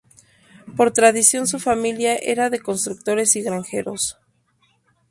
Por tradición su familia era de constructores y granjeros.